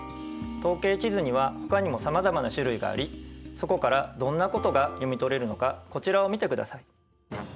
統計地図にはほかにもさまざまな種類がありそこからどんなことが読み取れるのかこちらを見てください。